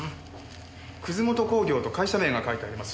「葛本工業」と会社名が書いてあります。